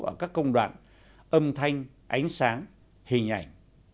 ở các công đoạn âm thanh ánh sáng hình ảnh